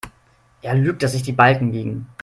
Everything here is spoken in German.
Er lügt, dass sich die Balken biegen.